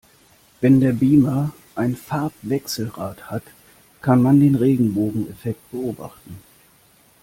Wenn der Beamer ein Farbwechselrad hat, kann man den Regenbogeneffekt beobachten.